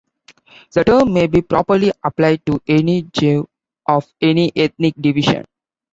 The term may be properly applied to any Jew of any ethnic division.